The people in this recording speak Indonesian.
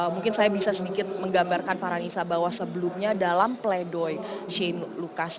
mungkin saya bisa sedikit menggambarkan farhanisa bahwa sebelumnya dalam pledoy shane lucas